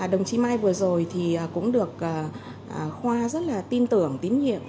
đồng chí mai vừa rồi thì cũng được khoa rất là tin tưởng tín nhiệm